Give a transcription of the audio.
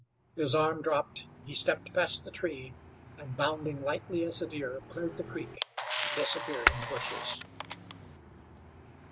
His arm dropped; he stepped past the tree, and, bounding lightly as a deer, cleared the creek and disappeared in the bushes.